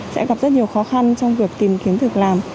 sẽ gặp rất nhiều khó khăn trong việc tìm kiếm việc làm